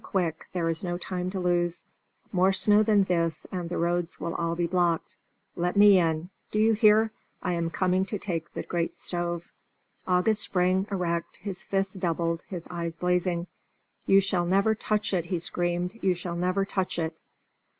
Quick! there is no time to lose! More snow like this, and the roads will be all blocked. Let me in. Do you hear? I am come to take the great stove." August sprang erect, his fists doubled, his eyes blazing. "You shall never touch it!" he screamed; "you shall never touch it!"